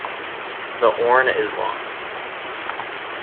The Orne is long.